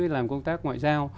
làm công tác ngoại giao